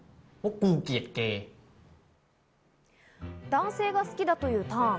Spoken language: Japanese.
男性が好きだというターン。